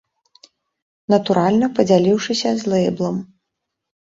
Натуральна падзяліўшыся з лэйблам.